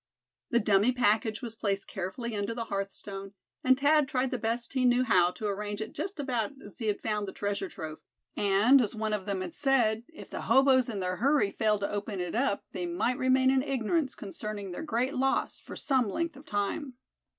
The dummy package was placed carefully under the hearthstone, and Thad tried the best he knew how to arrange it just about as he had found the treasure trove. And as one of them had said, if the hoboes in their hurry failed to open it up, they might remain in ignorance concerning their great loss, for some length of time.